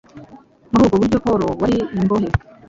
Muri ubwo buryo Pawulo wari imbohe,